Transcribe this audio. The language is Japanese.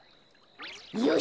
よし！